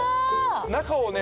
中をね